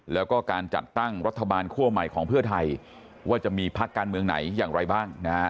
แล้วก็การจัดตั้งรัฐบาลคั่วใหม่ของเพื่อไทยว่าจะมีพักการเมืองไหนอย่างไรบ้างนะฮะ